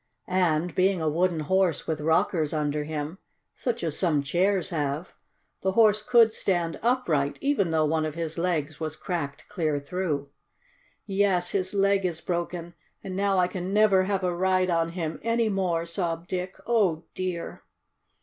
And, being a wooden horse with rockers under him, such as some chairs have, the Horse could stand upright, even though one of his legs was cracked clear through. "Yes, his leg is broken, and now I can never have a ride on him any more!" sobbed Dick. "Oh, dear!"